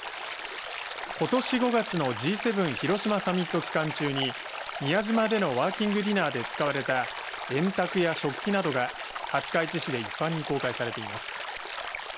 ことし５月のＧ７広島サミット期間中に宮島でのワーキングディナーで使われた円卓や食器などが廿日市市で一般に公開されています。